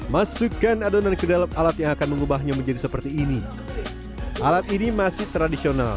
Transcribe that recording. masukkan adonan kedalam alat yang akan memahami menjadi seperti ini alat ini masih tradisional